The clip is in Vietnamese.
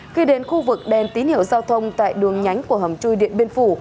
khi đến khu vực đèn tín hiệu giao thông tại đường nhánh của hầm chui điện biên phủ